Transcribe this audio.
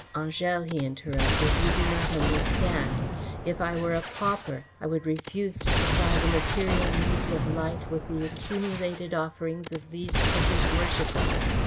"Angèle," he interrupted, "you do not understand. If I were a pauper, I would refuse to supply the material needs of life with the accumulated offerings of these peasant worshippers.